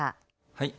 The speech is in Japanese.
はい。